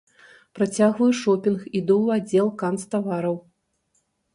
Працягваю шопінг, іду ў аддзел канцтавараў.